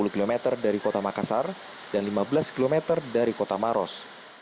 sepuluh km dari kota makassar dan lima belas km dari kota maros